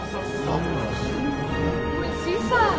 おいしいさ。